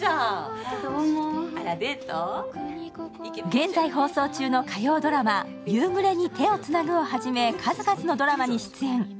現在放送中の火曜ドラマ「夕暮れに、手をつなぐ」をはじめ数々のドラマに出演。